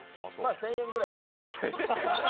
１０００円ぐらいはもらいたいです。